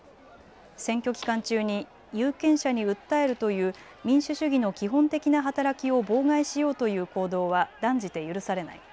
選挙期間中に有権者に訴えるという民主主義の基本的な働きを妨害しようという行動は断じて許されない。